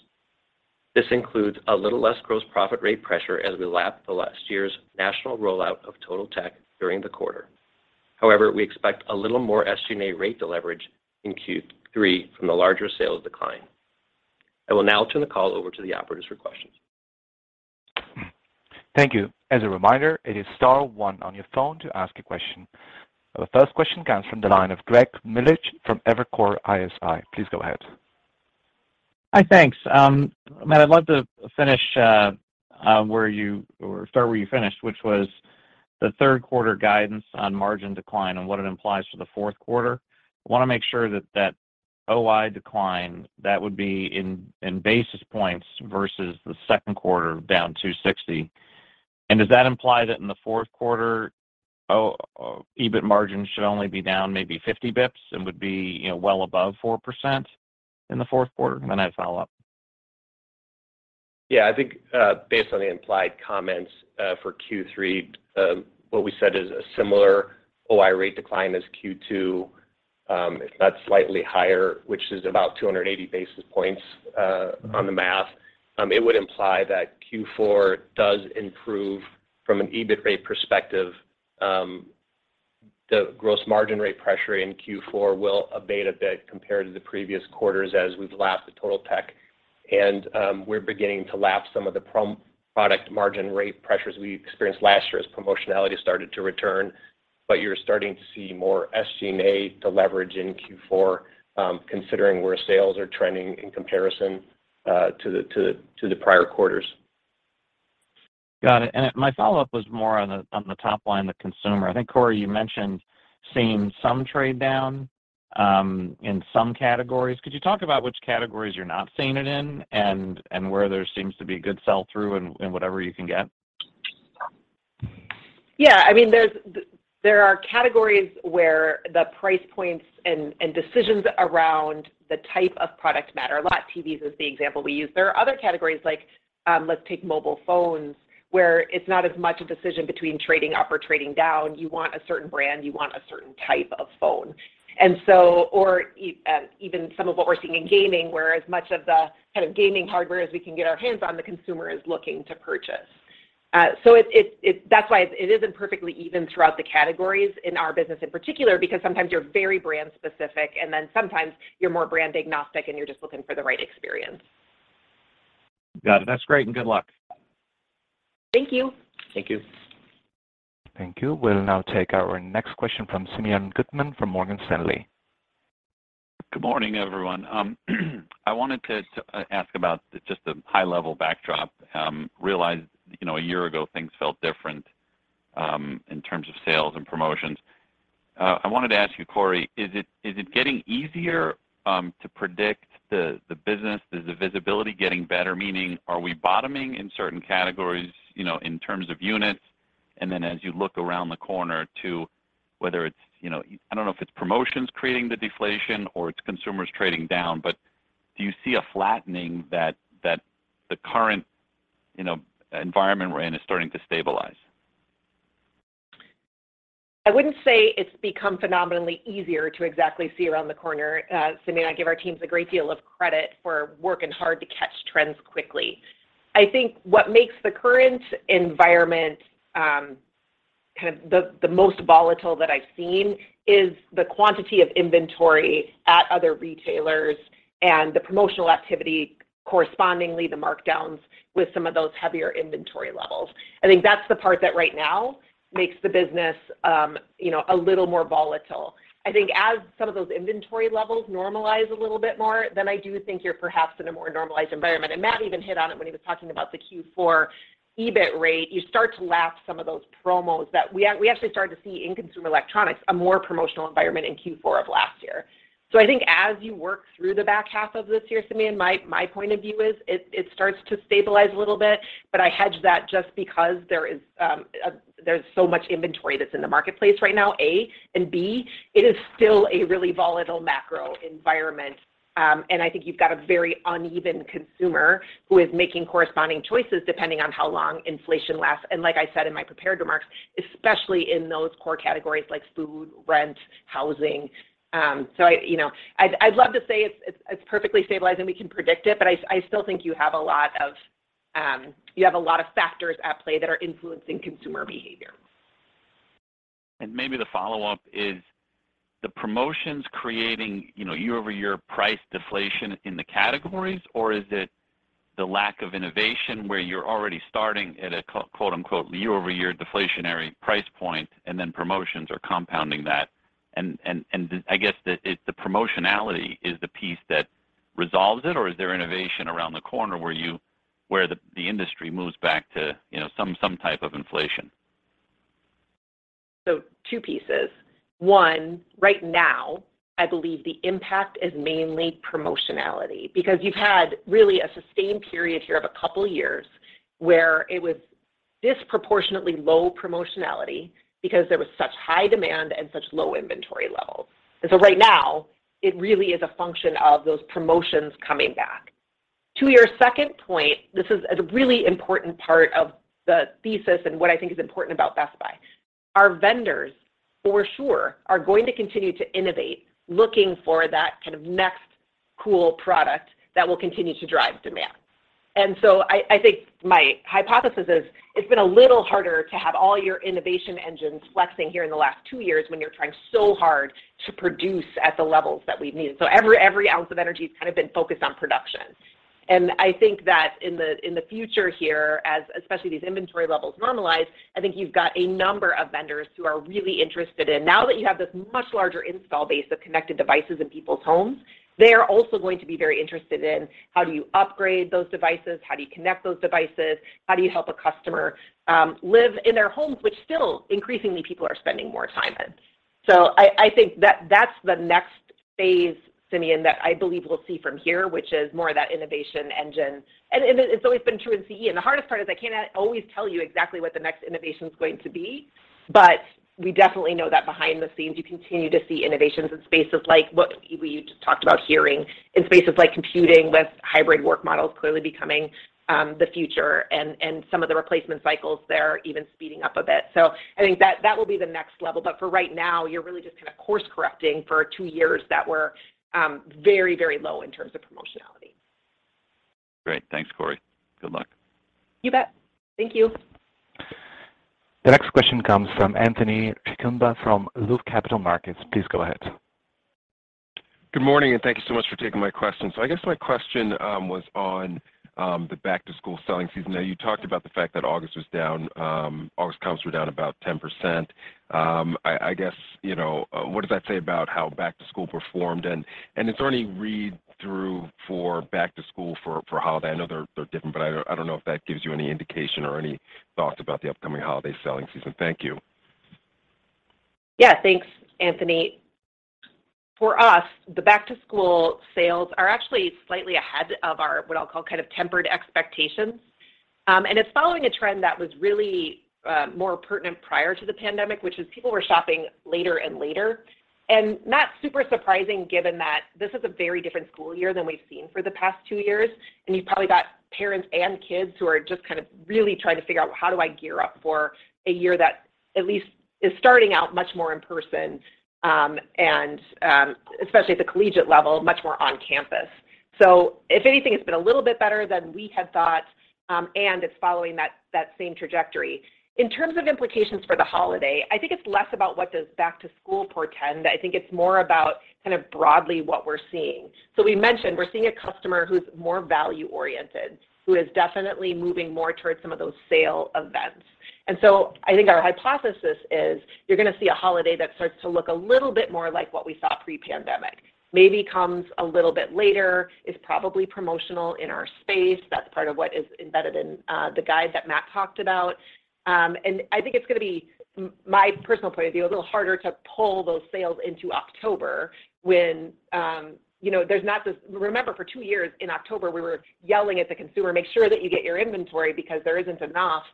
This includes a little less gross profit rate pressure as we lap the last year's national rollout of Totaltech during the quarter. However, we expect a little more SG&A rate deleverage in Q3 from the larger sales decline. I will now turn the call over to the operator for questions. Thank you. As a reminder, it is star one on your phone to ask a question. The first question comes from the line of Greg Melich from Evercore ISI. Please go ahead. Hi, thanks. Matt, I'd love to finish or start where you finished, which was the third quarter guidance on margin decline and what it implies for the fourth quarter. I wanna make sure that OI decline would be in basis points versus the second quarter down 260. Does that imply that in the fourth quarter, EBIT margin should only be down maybe 50 basis points and would be, you know, well above 4% in the fourth quarter? I have a follow-up. Yeah. I think, based on the implied comments, for Q3, what we said is a similar OI rate decline as Q2, if not slightly higher, which is about 280 basis points, on the math. It would imply that Q4 does improve from an EBIT rate perspective. The gross margin rate pressure in Q4 will abate a bit compared to the previous quarters as we've lapped the Totaltech and we're beginning to lap some of the product margin rate pressures we experienced last year as promotionality started to return. You're starting to see more SG&A deleverage in Q4, considering where sales are trending in comparison to the prior quarters. Got it. My follow-up was more on the top line, the consumer. I think, Corie, you mentioned seeing some trade down in some categories. Could you talk about which categories you're not seeing it in and where there seems to be a good sell-through in whatever you can get? Yeah. I mean, there are categories where the price points and decisions around the type of product matter a lot. TVs is the example we use. There are other categories like, let's take mobile phones, where it's not as much a decision between trading up or trading down. You want a certain brand, you want a certain type of phone. Or even some of what we're seeing in gaming, where as much of the kind of gaming hardware as we can get our hands on, the consumer is looking to purchase. So that's why it isn't perfectly even throughout the categories in our business in particular, because sometimes you're very brand specific, and then sometimes you're more brand agnostic, and you're just looking for the right experience. Got it. That's great, and good luck. Thank you. Thank you. Thank you. We'll now take our next question from Simeon Gutman from Morgan Stanley. Good morning, everyone. I wanted to ask about just the high-level backdrop. Realize, you know, a year ago, things felt different in terms of sales and promotions. I wanted to ask you, Corie, is it getting easier to predict the business? Is the visibility getting better? Meaning, are we bottoming in certain categories, you know, in terms of units? As you look around the corner to whether it's, you know, I don't know if it's promotions creating the deflation or it's consumers trading down, but do you see a flattening that the current, you know, environment we're in is starting to stabilize? I wouldn't say it's become phenomenally easier to exactly see around the corner, Simeon. I give our teams a great deal of credit for working hard to catch trends quickly. I think what makes the current environment kind of the most volatile that I've seen is the quantity of inventory at other retailers and the promotional activity, correspondingly the markdowns with some of those heavier inventory levels. I think that's the part that right now makes the business you know a little more volatile. I think as some of those inventory levels normalize a little bit more, then I do think you're perhaps in a more normalized environment. Matt even hit on it when he was talking about the Q4 EBIT rate. You start to lap some of those promos that we actually started to see in consumer electronics, a more promotional environment in Q4 of last year. I think as you work through the back half of this year, Simeon, my point of view is it starts to stabilize a little bit, but I hedge that just because there's so much inventory that's in the marketplace right now, A and B, it is still a really volatile macro environment. I think you've got a very uneven consumer who is making corresponding choices depending on how long inflation lasts, and like I said in my prepared remarks, especially in those core categories like food, rent, housing. I, you know, I'd love to say it's perfectly stabilized and we can predict it, but I still think you have a lot of factors at play that are influencing consumer behavior. Maybe the follow-up is the promotions creating, you know, year-over-year price deflation in the categories, or is it the lack of innovation where you're already starting at a quote-unquote year-over-year deflationary price point, and then promotions are compounding that? I guess the promotionality is the piece that resolves it, or is there innovation around the corner where the industry moves back to, you know, some type of inflation? Two pieces. One, right now, I believe the impact is mainly promotionality because you've had really a sustained period here of a couple years where it was disproportionately low promotionality because there was such high demand and such low inventory levels. Right now, it really is a function of those promotions coming back. To your second point, this is a really important part of the thesis and what I think is important about Best Buy. Our vendors, for sure, are going to continue to innovate, looking for that kind of next cool product that will continue to drive demand. I think my hypothesis is it's been a little harder to have all your innovation engines flexing here in the last two years when you're trying so hard to produce at the levels that we've needed. Every ounce of energy has kind of been focused on production. I think that in the future here, as especially these inventory levels normalize, I think you've got a number of vendors who are really interested in, now that you have this much larger install base of connected devices in people's homes, they are also going to be very interested in how do you upgrade those devices, how do you connect those devices, how do you help a customer live in their homes, which still increasingly people are spending more time in. I think that's the next phase, Simeon, that I believe we'll see from here, which is more of that innovation engine. It's always been true in CE, and the hardest part is I cannot always tell you exactly what the next innovation's going to be. We definitely know that behind the scenes, you continue to see innovations in spaces like what we talked about hearing, in spaces like computing with hybrid work models clearly becoming the future and some of the replacement cycles there even speeding up a bit. I think that will be the next level. For right now, you're really just kind of course correcting for two years that were very, very low in terms of promotionality. Great. Thanks, Corie. Good luck. You bet. Thank you. The next question comes from Anthony Chukumba from Loop Capital Markets. Please go ahead. Good morning, and thank you so much for taking my question. I guess my question was on the back-to-school selling season. Now you talked about the fact that August was down. August comps were down about 10%. I guess, you know, what does that say about how back to school performed, and is there any read-through for back to school for holiday? I know they're different, but I don't know if that gives you any indication or any thoughts about the upcoming holiday selling season. Thank you. Yeah. Thanks, Anthony. For us, the back-to-school sales are actually slightly ahead of our, what I'll call kind of tempered expectations. It's following a trend that was really more pertinent prior to the pandemic, which is people were shopping later and later. Not super surprising given that this is a very different school year than we've seen for the past two years. You've probably got parents and kids who are just kind of really trying to figure out, how do I gear up for a year that at least is starting out much more in person, especially at the collegiate level, much more on campus. If anything, it's been a little bit better than we had thought, and it's following that same trajectory. In terms of implications for the holiday, I think it's less about what does back to school portend. I think it's more about kind of broadly what we're seeing. We mentioned we're seeing a customer who's more value-oriented, who is definitely moving more towards some of those sale events. I think our hypothesis is you're gonna see a holiday that starts to look a little bit more like what we saw pre-pandemic. Maybe comes a little bit later, is probably promotional in our space. That's part of what is embedded in the guide that Matt talked about. I think it's gonna be my personal point of view, a little harder to pull those sales into October when you know there's not this. Remember, for two years in October, we were yelling at the consumer, "Make sure that you get your inventory because there isn't enough."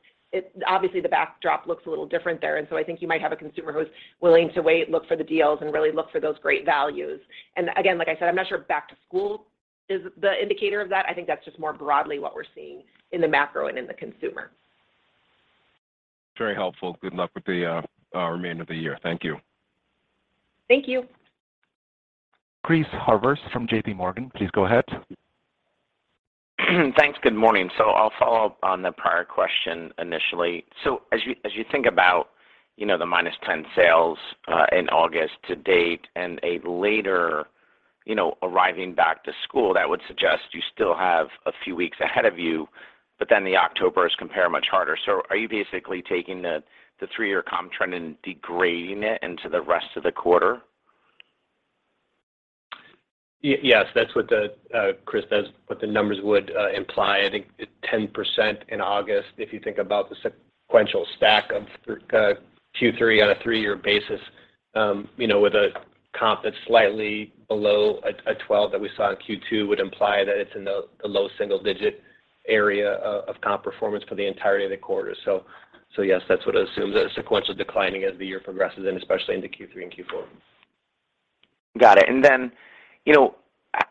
Obviously, the backdrop looks a little different there. I think you might have a consumer who's willing to wait, look for the deals, and really look for those great values. Again, like I said, I'm not sure if back to school is the indicator of that. I think that's just more broadly what we're seeing in the macro and in the consumer. Very helpful. Good luck with the remainder of the year. Thank you. Thank you. Chris Horvers from JPMorgan, please go ahead. Thanks. Good morning. I'll follow up on the prior question initially. As you think about, you know, the -10% sales in August to date and a later back-to-school, you know, that would suggest you still have a few weeks ahead of you, but then the October comp is much harder. Are you basically taking the three-year comp trend and degrading it into the rest of the quarter? Yes, Chris, that's what the numbers would imply. I think 10% in August, if you think about the sequential stack of Q3 on a three-year basis, you know, with a comp that's slightly below a 12% that we saw in Q2 would imply that it's in the low single digit area of comp performance for the entirety of the quarter. Yes, that's what I assume, that it's sequentially declining as the year progresses, and especially into Q3 and Q4. Got it. You know,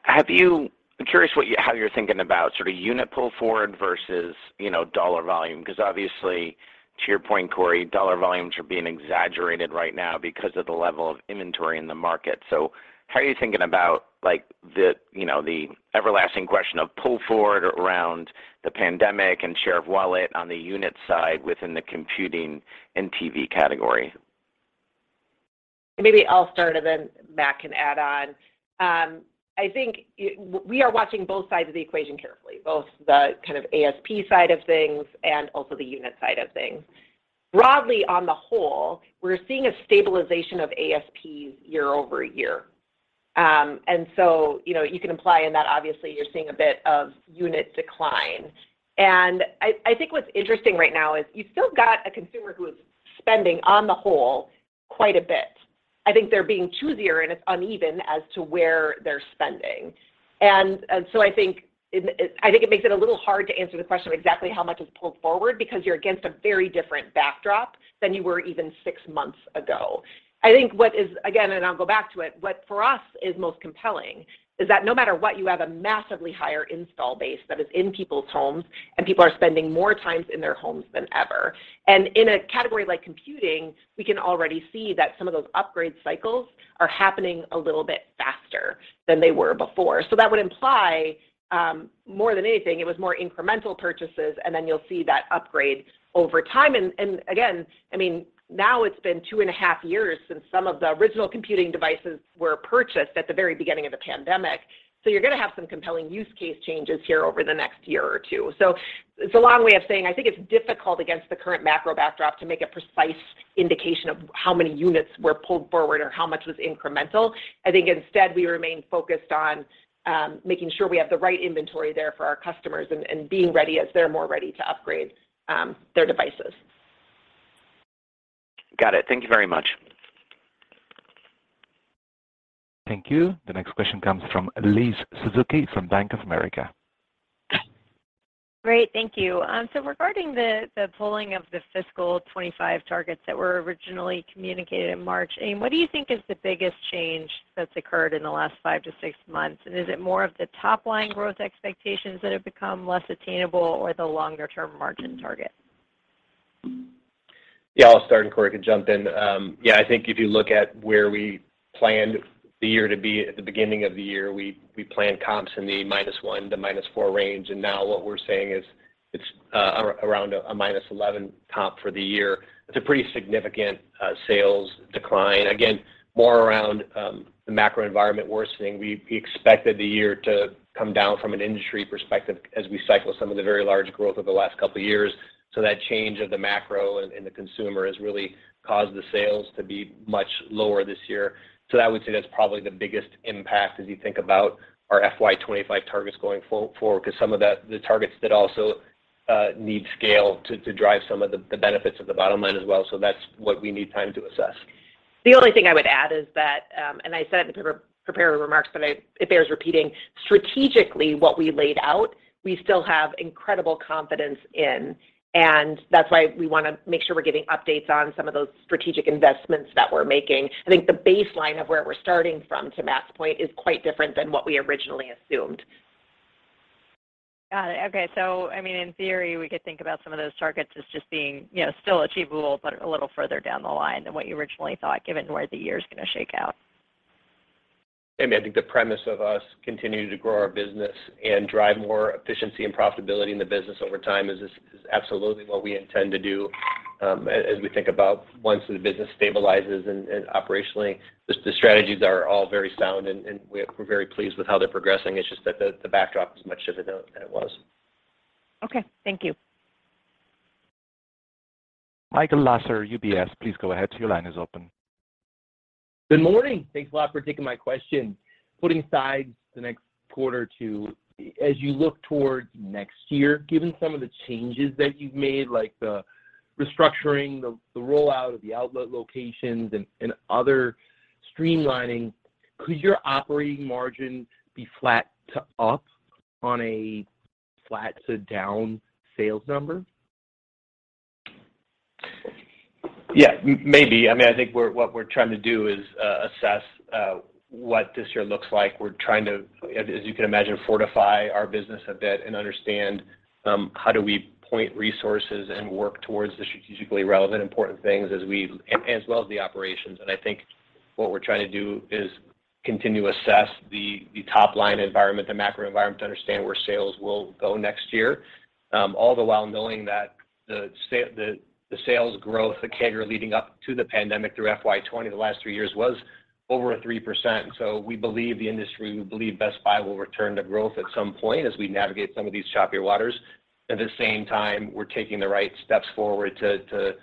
have you? I'm curious how you're thinking about sort of unit pull forward versus, you know, dollar volume, 'cause obviously, to your point, Corie, dollar volumes are being exaggerated right now because of the level of inventory in the market. How are you thinking about, like, the, you know, the everlasting question of pull forward around the pandemic and share of wallet on the unit side within the computing and TV category? Maybe I'll start, and then Matt can add on. I think we are watching both sides of the equation carefully, both the kind of ASP side of things and also the unit side of things. Broadly, on the whole, we're seeing a stabilization of ASPs year-over-year. You know, you can imply in that obviously you're seeing a bit of unit decline. I think what's interesting right now is you've still got a consumer who is spending, on the whole, quite a bit. I think they're being choosier, and it's uneven as to where they're spending. I think it makes it a little hard to answer the question of exactly how much is pulled forward because you're against a very different backdrop than you were even six months ago. I think what is, again, and I'll go back to it, what for us is most compelling is that no matter what, you have a massively higher install base that is in people's homes, and people are spending more times in their homes than ever. In a category like computing, we can already see that some of those upgrade cycles are happening a little bit faster than they were before. That would imply more than anything it was more incremental purchases, and then you'll see that upgrade over time. Again, I mean, now it's been two and a half years since some of the original computing devices were purchased at the very beginning of the pandemic. You're gonna have some compelling use case changes here over the next year or two. It's a long way of saying I think it's difficult against the current macro backdrop to make a precise indication of how many units were pulled forward or how much was incremental. I think instead we remain focused on making sure we have the right inventory there for our customers and being ready as they're more ready to upgrade their devices. Got it. Thank you very much. Thank you. The next question comes from Liz Suzuki from Bank of America. Great. Thank you. So regarding the pulling of the fiscal 2025 targets that were originally communicated in March, I mean, what do you think is the biggest change that's occurred in the last five to six months? Is it more of the top-line growth expectations that have become less attainable or the longer term margin target? Yeah, I'll start, and Corie can jump in. Yeah, I think if you look at where we planned the year to be at the beginning of the year, we planned comps in the -1% to -4% range, and now what we're saying is it's around a -11% comp for the year. It's a pretty significant sales decline. Again, more around the macro environment worsening. We expected the year to come down from an industry perspective as we cycle some of the very large growth over the last couple of years. That change of the macro and the consumer has really caused the sales to be much lower this year. I would say that's probably the biggest impact as you think about our FY 2025 targets going forward, 'cause some of that, the targets that also need scale to drive some of the benefits of the bottom line as well. That's what we need time to assess. The only thing I would add is that, and I said it in the prepared remarks, but it bears repeating, strategically what we laid out, we still have incredible confidence in, and that's why we wanna make sure we're getting updates on some of those strategic investments that we're making. I think the baseline of where we're starting from, to Matt's point, is quite different than what we originally assumed. Got it. Okay. I mean, in theory, we could think about some of those targets as just being, you know, still achievable, but a little further down the line than what you originally thought, given where the year's gonna shake out. Liz, I think the premise of us continuing to grow our business and drive more efficiency and profitability in the business over time is absolutely what we intend to do, as we think about once the business stabilizes and operationally. The strategies are all very sound and we're very pleased with how they're progressing. It's just that the backdrop is much different now than it was. Okay. Thank you. Michael Lasser, UBS, please go ahead. Your line is open. Good morning. Thanks a lot for taking my question. Putting aside the next quarter two, as you look towards next year, given some of the changes that you've made, like the restructuring, the rollout of the outlet locations and other streamlining, could your operating margin be flat to up on a flat to down sales number? Yeah, maybe. I mean, I think what we're trying to do is assess what this year looks like. We're trying to, as you can imagine, fortify our business a bit and understand how do we point resources and work towards the strategically relevant important things as well as the operations. I think what we're trying to do is continue to assess the top line environment, the macro environment to understand where sales will go next year. All the while knowing that the sales growth, the CAGR leading up to the pandemic through FY 2020 the last three years was over 3%. We believe Best Buy will return to growth at some point as we navigate some of these choppier waters. At the same time, we're taking the right steps forward to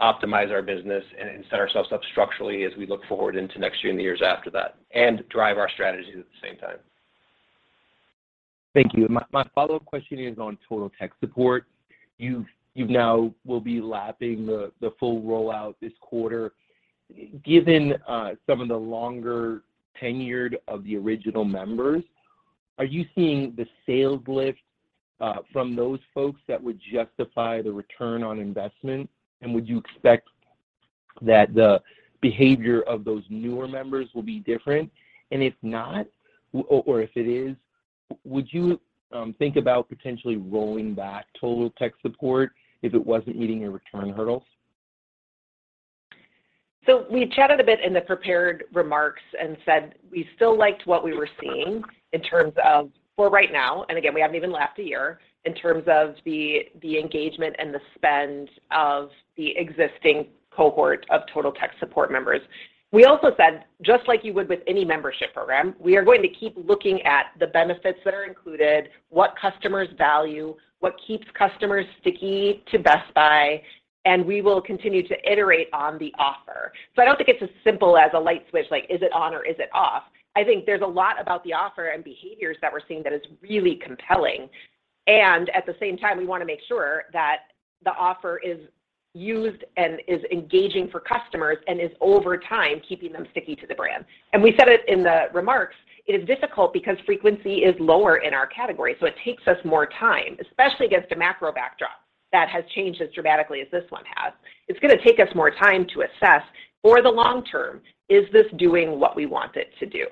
optimize our business and set ourselves up structurally as we look forward into next year and the years after that, and drive our strategies at the same time. Thank you. My follow-up question is on Totaltech. You now will be lapping the full rollout this quarter. Given some of the longer tenured of the original members, are you seeing the sales lift from those folks that would justify the return on investment? Would you expect that the behavior of those newer members will be different? If not, or if it is, would you think about potentially rolling back Totaltech if it wasn't meeting your return hurdles? We chatted a bit in the prepared remarks and said we still liked what we were seeing in terms of, for right now, and again, we haven't even lapped a year, in terms of the engagement and the spend of the existing cohort of Totaltech members. We also said, just like you would with any membership program, we are going to keep looking at the benefits that are included, what customers value, what keeps customers sticky to Best Buy, and we will continue to iterate on the offer. I don't think it's as simple as a light switch, like is it on or is it off? I think there's a lot about the offer and behaviors that we're seeing that is really compelling, and at the same time, we wanna make sure that the offer is used and is engaging for customers and is over time keeping them sticky to the brand. We said it in the remarks, it is difficult because frequency is lower in our category, so it takes us more time, especially against a macro backdrop that has changed as dramatically as this one has. It's gonna take us more time to assess for the long term, is this doing what we want it to do?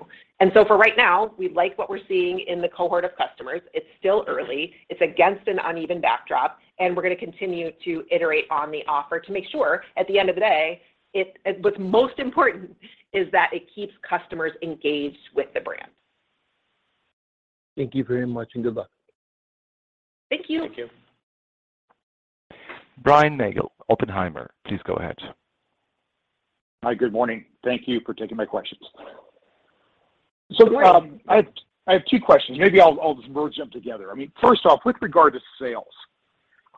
For right now, we like what we're seeing in the cohort of customers. It's still early. It's against an uneven backdrop, and we're gonna continue to iterate on the offer to make sure at the end of the day, it. What's most important is that it keeps customers engaged with the brand. Thank you very much, and good luck. Thank you. Thank you. Brian Nagel, Oppenheimer, please go ahead. Hi, good morning. Thank you for taking my questions. I have two questions. Maybe I'll just merge them together. I mean, first off, with regard to sales,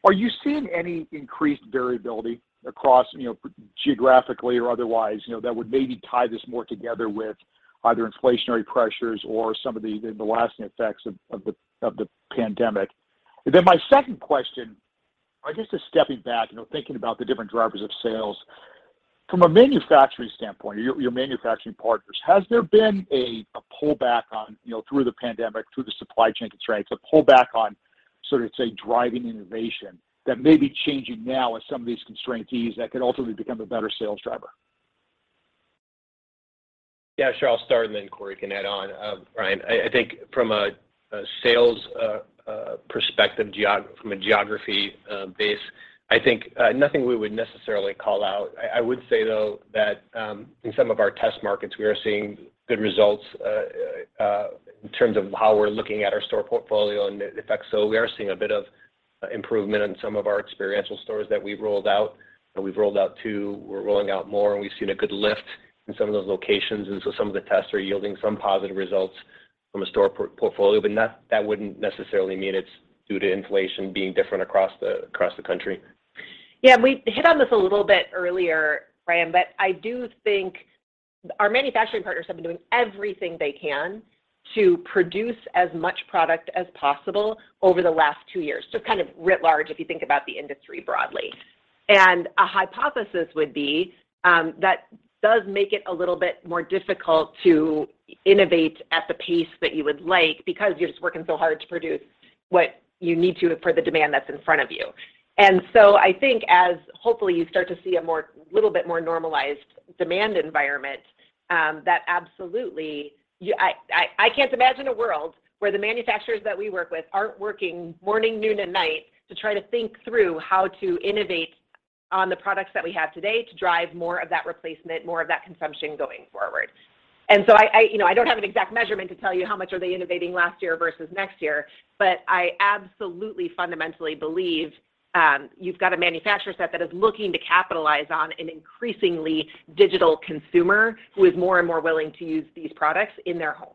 are you seeing any increased variability across, you know, geographically or otherwise, you know, that would maybe tie this more together with either inflationary pressures or some of the lasting effects of the pandemic? My second question, I guess, is stepping back, you know, thinking about the different drivers of sales. From a manufacturing standpoint, your manufacturing partners, has there been a pullback on, you know, through the pandemic, through the supply chain constraints, a pullback on sort of, say, driving innovation that may be changing now as some of these constraints ease that could ultimately become a better sales driver? Yeah, sure. I'll start and then Corie can add on. Brian, I think from a sales perspective from a geography base, I think nothing we would necessarily call out. I would say, though, that in some of our test markets, we are seeing good results in terms of how we're looking at our store portfolio and the effects. We are seeing a bit of improvement in some of our experiential stores that we've rolled out, and we've rolled out two, we're rolling out more, and we've seen a good lift in some of those locations. Some of the tests are yielding some positive results from a store portfolio, but that wouldn't necessarily mean it's due to inflation being different across the country. Yeah, we hit on this a little bit earlier, Brian, but I do think our manufacturing partners have been doing everything they can to produce as much product as possible over the last two years, so kind of writ large if you think about the industry broadly. A hypothesis would be that does make it a little bit more difficult to innovate at the pace that you would like because you're just working so hard to produce what you need to for the demand that's in front of you. I think as, hopefully, you start to see a more, little bit more normalized demand environment, that absolutely you. I can't imagine a world where the manufacturers that we work with aren't working morning, noon, and night to try to think through how to innovate on the products that we have today to drive more of that replacement, more of that consumption going forward. I, you know, I don't have an exact measurement to tell you how much are they innovating last year versus next year, but I absolutely fundamentally believe, you've got a manufacturer set that is looking to capitalize on an increasingly digital consumer who is more and more willing to use these products in their home.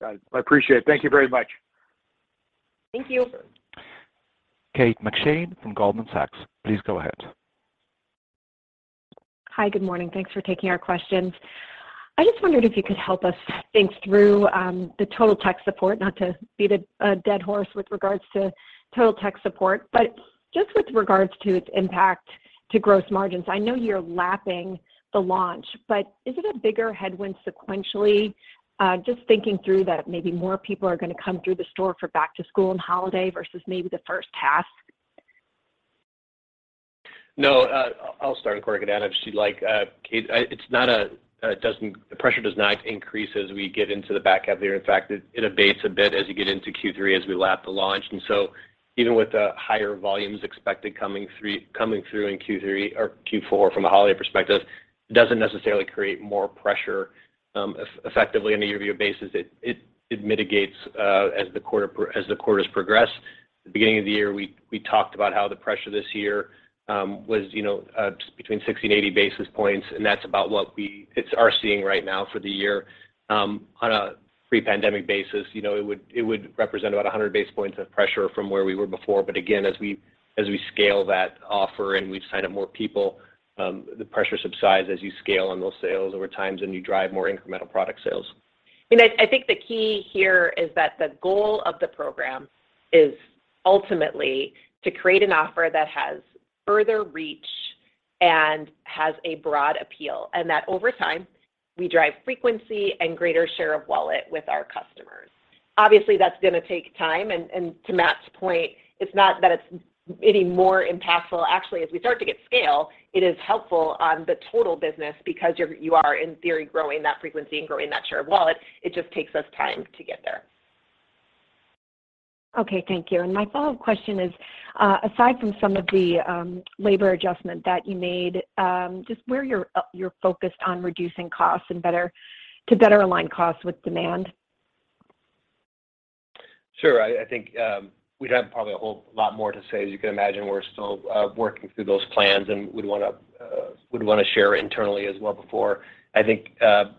Got it. I appreciate it. Thank you very much. Thank you. Kate McShane from Goldman Sachs, please go ahead. Hi, good morning. Thanks for taking our questions. I just wondered if you could help us think through the Totaltech, not to beat a dead horse with regards to Totaltech, but just with regards to its impact to gross margins. I know you're lapping the launch, but is it a bigger headwind sequentially? Just thinking through that maybe more people are gonna come through the store for back to school and holiday versus maybe the first pass. No. I'll start and Corie can add. I just see like, Kate, the pressure does not increase as we get into the back half of the year. In fact, it abates a bit as you get into Q3 as we lap the launch. Even with the higher volumes expected coming through in Q3 or Q4 from a holiday perspective, it doesn't necessarily create more pressure, effectively on a year-over-year basis. It mitigates as the quarters progress. The beginning of the year, we talked about how the pressure this year was, you know, between 60 and 80 basis points, and that's about what we are seeing right now for the year. On a pre-pandemic basis, you know, it would represent about 100 basis points of pressure from where we were before. Again, as we scale that offer and we sign up more people, the pressure subsides as you scale on those sales over time and you drive more incremental product sales. I think the key here is that the goal of the program is ultimately to create an offer that has further reach and has a broad appeal. That over time, we drive frequency and greater share of wallet with our customers. Obviously, that's gonna take time, and to Matt's point, it's not that it's any more impactful. Actually, as we start to get scale, it is helpful on the total business because you are in theory growing that frequency and growing that share of wallet. It just takes us time to get there. Okay, thank you. My follow-up question is, aside from some of the labor adjustment that you made, just where you're focused on reducing costs and to better align costs with demand? Sure. I think we'd have probably a whole lot more to say. As you can imagine, we're still working through those plans and would wanna share internally as well before. I think the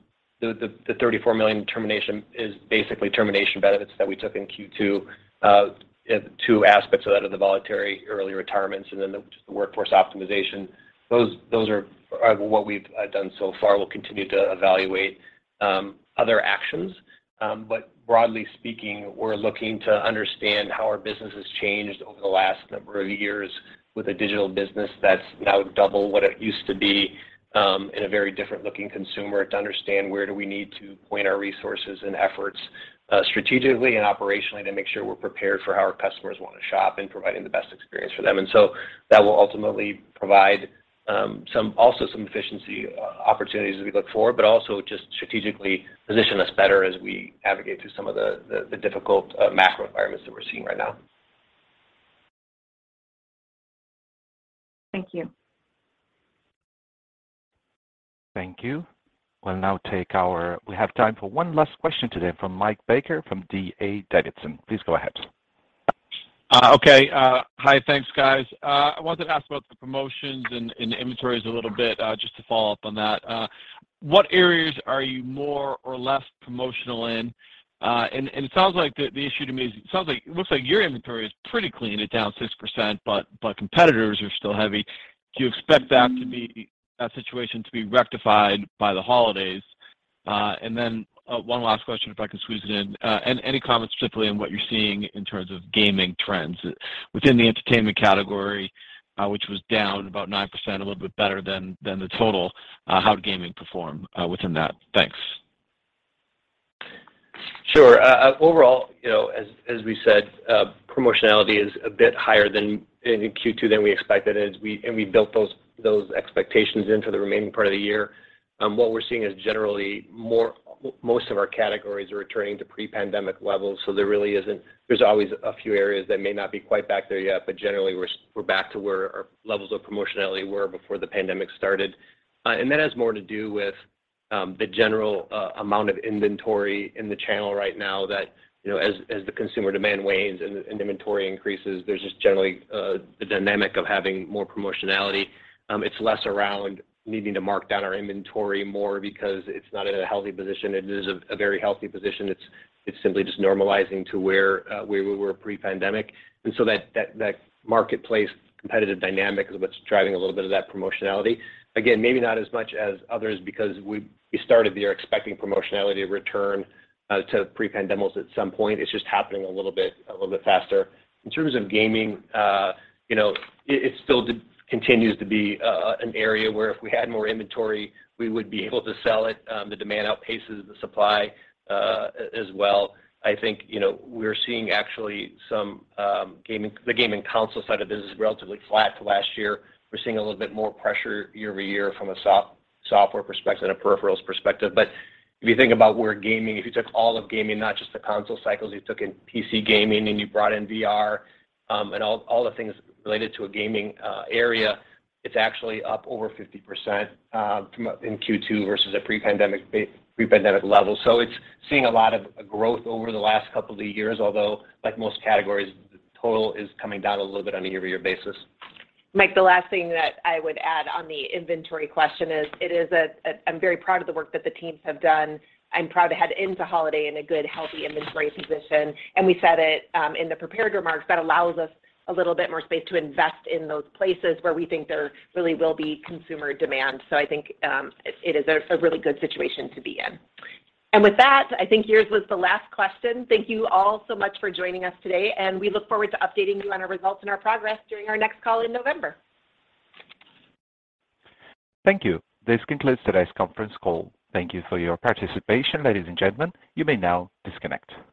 $34 million termination is basically termination benefits that we took in Q2. Two aspects of that are the voluntary early retirements and then the workforce optimization. Those are what we've done so far. We'll continue to evaluate other actions. Broadly speaking, we're looking to understand how our business has changed over the last number of years with a digital business that's now double what it used to be, and a very different looking consumer to understand where do we need to point our resources and efforts, strategically and operationally to make sure we're prepared for how our customers wanna shop and providing the best experience for them. That will ultimately provide some efficiency opportunities as we look forward, but also just strategically position us better as we navigate through some of the difficult macro environments that we're seeing right now. Thank you. Thank you. We have time for one last question today from Mike Baker from D.A. Davidson. Please go ahead. Okay. Hi. Thanks, guys. I wanted to ask about the promotions and the inventories a little bit, just to follow up on that. What areas are you more or less promotional in? It sounds like the issue to me is it looks like your inventory is pretty clean. It's down 6%, but competitors are still heavy. Do you expect that situation to be rectified by the holidays? One last question if I can squeeze it in. Any comments specifically on what you're seeing in terms of gaming trends within the entertainment category, which was down about 9%, a little bit better than the total, how gaming performed within that. Thanks. Sure. Overall, you know, as we said, promotionality is a bit higher than in Q2 than we expected, and we built those expectations in for the remaining part of the year. What we're seeing is most of our categories are returning to pre-pandemic levels. There's always a few areas that may not be quite back there yet, but generally we're back to where our levels of promotionality were before the pandemic started. That has more to do with the general amount of inventory in the channel right now that, you know, as the consumer demand wanes and inventory increases, there's just generally the dynamic of having more promotionality. It's less around needing to mark down our inventory more because it's not in a healthy position. It is a very healthy position. It's simply just normalizing to where we were pre-pandemic. That marketplace competitive dynamic is what's driving a little bit of that promotionality. Again, maybe not as much as others because we started the year expecting promotionality to return to pre-pandemic levels at some point. It's just happening a little bit faster. In terms of gaming, you know, it still continues to be an area where if we had more inventory, we would be able to sell it. The demand outpaces the supply as well. I think, you know, we're seeing actually the gaming console side of business is relatively flat to last year. We're seeing a little bit more pressure year-over-year from a software perspective and a peripherals perspective. If you think about where gaming, if you took all of gaming, not just the console cycles, you took in PC gaming, and you brought in VR, and all the things related to a gaming area, it's actually up over 50% in Q2 versus a pre-pandemic level. It's seeing a lot of growth over the last couple of years, although like most categories, the total is coming down a little bit on a year-over-year basis. Mike, the last thing that I would add on the inventory question is, it is a. I'm very proud of the work that the teams have done. I'm proud to head into holiday in a good, healthy inventory position. We said it in the prepared remarks, that allows us a little bit more space to invest in those places where we think there really will be consumer demand. I think it is a really good situation to be in. With that, I think yours was the last question. Thank you all so much for joining us today, and we look forward to updating you on our results and our progress during our next call in November. Thank you. This concludes today's conference call. Thank you for your participation. Ladies and gentlemen, you may now disconnect.